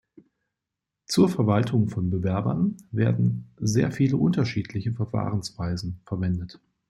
Zur Verwaltung von Bewerbern werden sehr viele unterschiedliche Verfahrensweisen verwendet.